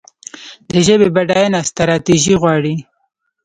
د ژبې بډاینه ستراتیژي غواړي.